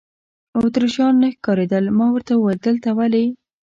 اتریشیان نه ښکارېدل، ما ورته وویل: دلته ولې.